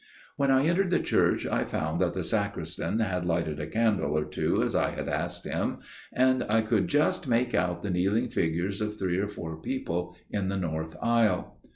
"When I entered the church I found that the sacristan had lighted a candle or two as I had asked him, and I could just make out the kneeling figures of three or four people in the north aisle.